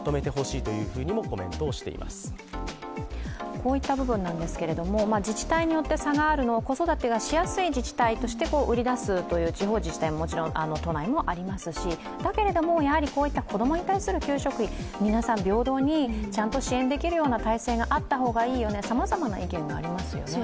こういった部分なんですけれども、自治体によって差があるのを子育てがしやすい自治体として売り出す自治体も都内にもありますし、だけれども子供に対する給食費皆さん平等にちゃんと支援できるような体制があった方がいいよね、さまざまな意見がありますよね。